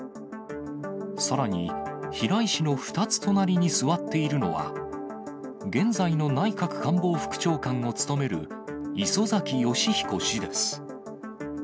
さらに、平井氏の２つ隣に座っているのは、現在の内閣官房副長官を務める磯崎仁彦氏です。